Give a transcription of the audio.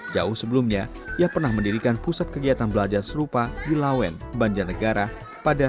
jauh sebelumnya ia pernah mendirikan pusat kegiatan belajar serupa di lawen banjarnegara pada seribu sembilan ratus sembilan puluh